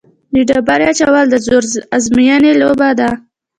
د ډبرې اچول د زور ازموینې لوبه ده.